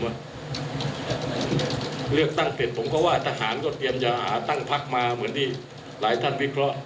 เลือกตั้งเสร็จผมก็ว่าทหารก็เตรียมจะตั้งพักมาเหมือนที่หลายท่านวิเคราะห์